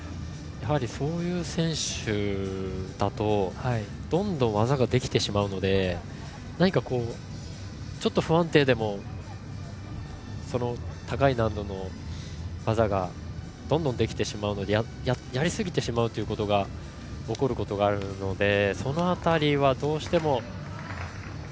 そういう選手だとどんどん技ができてしまうので何か、ちょっと不安定でも高い難度の技がどんどんできてしまうのでやりすぎてしまうことが起こることがあるのでその辺りは、どうしても。